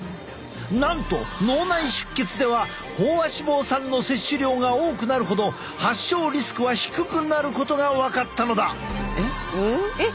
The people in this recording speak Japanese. なんと脳内出血では飽和脂肪酸の摂取量が多くなるほど発症リスクは低くなることが分かったのだ。